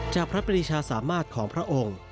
จากพระปริชาสามารถของพระองค์